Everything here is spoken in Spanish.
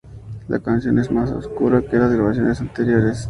La canción es más oscura que las grabaciones anteriores.